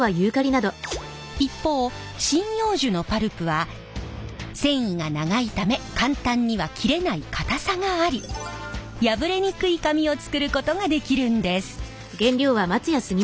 一方針葉樹のパルプは繊維が長いため簡単には切れない固さがあり破れにくい紙を作ることができるんです。